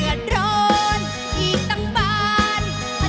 ฮุยฮาฮุยฮารอบนี้ดูทางเวที